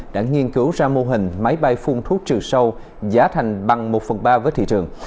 đã nghiên cứu ra mô hình máy bay phun thuốc trừ sâu giá thành bằng một phần ba với thị trường